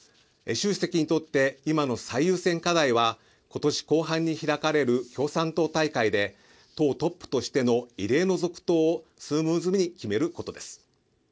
習主席にとって今の最優先課題は今年後半に開かれる共産党大会で党トップとしての異例の続投をスムーズに決めることです。